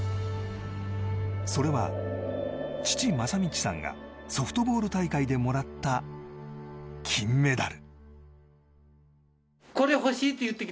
それは父・正通さんがソフトボール大会でもらった金メダル。